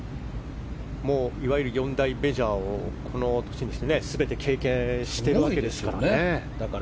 いわゆる四大メジャーをこの年にして、全て経験しているわけですから。